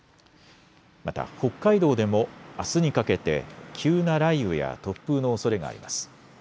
また北海道でもあすにかけて急な雷雨や突風のおそれがあります。